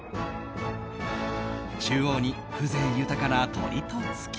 中央に風情豊かな鳥と月。